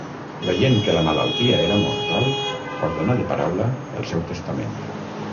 Veient que la malaltia era mortal, ordenà de paraula el seu testament.